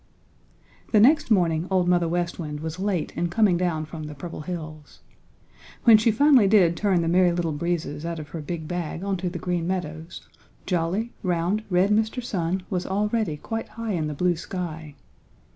The next morning Old Mother West Wind was late in coming down from the Purple Hills. When she finally did turn the Merry Little Breezes out of her big bag onto the Green Meadows jolly, round, red Mr. Sun was already quite high in the blue sky.